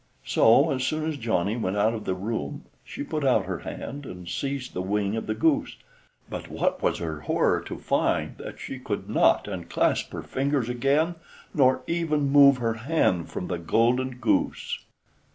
So as soon as Johnny went out of the room she put out her hand and seized the wing of the goose, but what was her horror to find that she could not unclasp her fingers again, nor even move her hand from the golden goose!